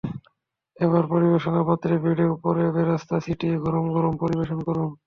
এবার পরিবেশন পাত্রে বেড়ে ওপরে বেরেস্তা ছিটিয়ে গরম গরম পরিবেশন করুন।